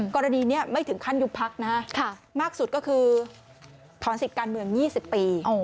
กรณีนี้ไม่ถึงขั้นยุบพักนะมากสุดก็คือถอนสิทธิ์การเมือง๒๐ปี